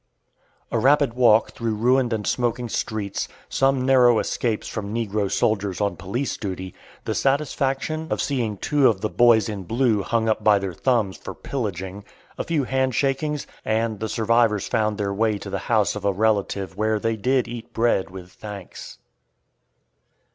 A rapid walk through ruined and smoking streets, some narrow escapes from negro soldiers on police duty, the satisfaction of seeing two of the "boys in blue" hung up by their thumbs for pillaging, a few handshakings, and the survivors found their way to the house of a relative where they did eat bread with thanks.